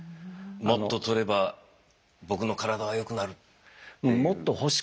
もっととれば僕の体は良くなるっていう。